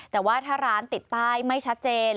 แต่ว่าถ้าร้านติดป้ายไม่ชัดเจน